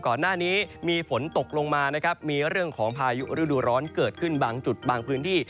ก่อนหน้านี้มีฝนตกลงมานะครับมีเรื่องของพายุฤดูร้อนเกิดขึ้นบางจุดบางพื้นที่